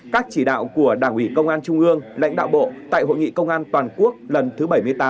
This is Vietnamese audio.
các chỉ đạo của đảng ủy công an trung ương lãnh đạo bộ tại hội nghị công an toàn quốc lần thứ bảy mươi tám